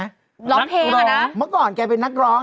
นักร้องเมื่อก่อนแกเป็นนักร้อง